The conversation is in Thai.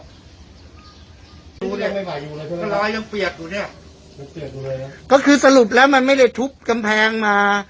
รอยยังเปรียดอยู่เนี้ยก็คือสรุปแล้วมันไม่ได้ทุบกำแพงมา